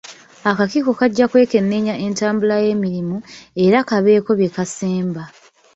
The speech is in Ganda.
Akakiiko kajja kwekenneenya entambula y'emirimu, era kabeeko bye kasemba.